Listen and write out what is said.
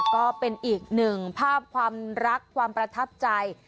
ก็เป็นอีกหนึ่งภาพความรักความประทับใจ